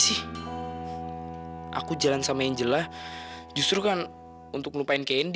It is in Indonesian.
sih aku jalan sama angela justru kan untuk lupain candy